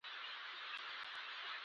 زه ستاسو سره موافق یم.